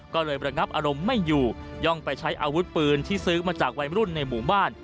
ก็เลยประงับอารมณ์ไม่อยู่ย่องไปใช้อาวุธปืนที่ซื้อมาจากวัยรุ่นในหมู่บ้าน